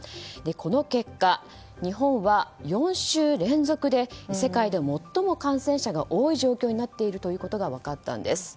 この結果、日本は４週連続で世界で最も感染者が多い状況になっているということが分かったんです。